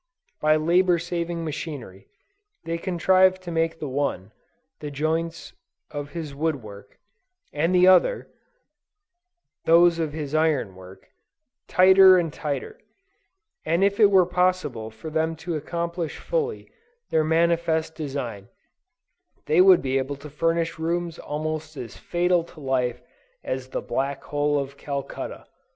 By labor saving machinery, they contrive to make the one, the joints of his wood work, and the other, those of his iron work, tighter and tighter, and if it were possible for them to accomplish fully their manifest design, they would be able to furnish rooms almost as fatal to life as "the black hole of Calcutta."